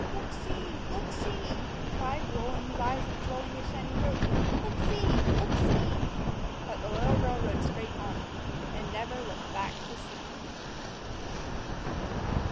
"Look see! look see!" he cried, rolling his eyes and swelling his shining throat; "look see! look see!" But the little girl rode straight on, and never looked back to see.